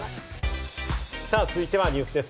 続いてはニュースです。